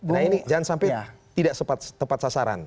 nah ini jangan sampai tidak tepat sasaran